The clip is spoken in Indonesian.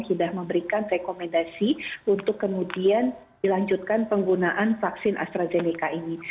sudah memberikan rekomendasi untuk kemudian dilanjutkan penggunaan vaksin astrazeneca ini